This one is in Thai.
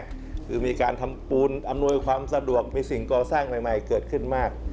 คือมีการทำปูนอำนวยความสะดวกมีสิ่งก่อสร้างใหม่เกิดขึ้นมาก